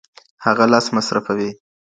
هغه لس مصرفوي.